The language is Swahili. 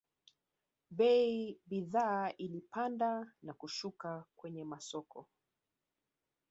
bei bidhaa ilipanda na kushuka kwenye masoko